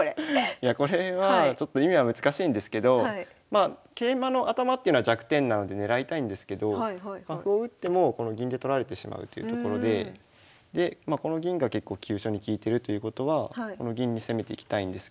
いやこれはちょっと意味は難しいんですけど桂馬の頭っていうのは弱点なので狙いたいんですけど歩を打ってもこの銀で取られてしまうというところでこの銀が結構急所に利いてるということはこの銀に攻めていきたいんですけど。